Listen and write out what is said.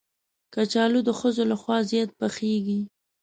کچالو د ښځو لخوا زیات پخېږي